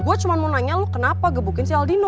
gue cuma mau nanya lo kenapa gebukin si el dino